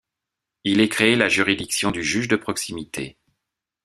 Il est créé la juridiction du juge de proximité.